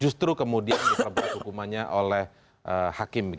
justru kemudian diperbuat hukumannya oleh hakim